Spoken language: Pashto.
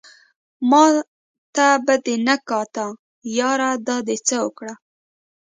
ماته به دې نه کاته ياره دا دې څه اوکړه